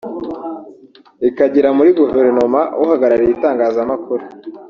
ikagira muri guverinoma uhagarariye itangazamakuru